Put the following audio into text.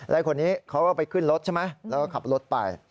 แล้วคนนี้เขาก็ไปขึ้นรถใช่ไหมแล้วก็ขับรถไป